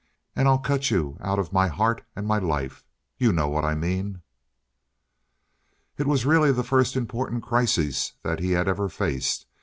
And I'll cut you out of my heart and my life. You know what I mean?" It was really the first important crisis that he had ever faced.